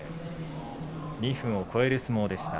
２分を超える相撲でした。